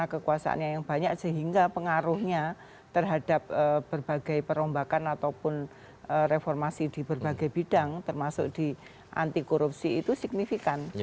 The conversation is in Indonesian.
kekuasaannya yang banyak sehingga pengaruhnya terhadap berbagai perombakan ataupun reformasi di berbagai bidang termasuk di anti korupsi itu signifikan